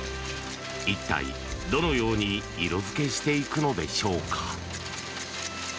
一体、どのように色付けしていくのでしょうか？